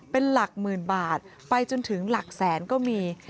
เป็นหลักหมื่นบาทไปจนถึงหลักแสนก็มี